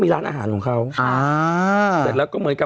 พี่โอ๊คบอกว่าเขินถ้าต้องเป็นเจ้าภาพเนี่ยไม่ไปร่วมงานคนอื่นอะได้